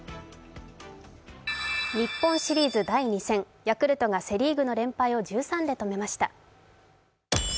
日本シリーズ第２戦、ヤクルトがセ・リーグの連敗を１３で止めました。